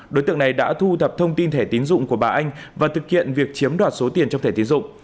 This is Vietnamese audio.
đối tượng này đã thu thập thông tin thẻ tín dụng của bà anh và thực hiện việc chiếm đoạt số tiền trong thẻ tiến dụng